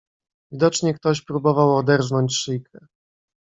"Widocznie ktoś próbował oderznąć szyjkę."